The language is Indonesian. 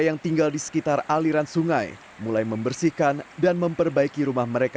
yang tinggal di sekitar aliran sungai mulai membersihkan dan memperbaiki rumah mereka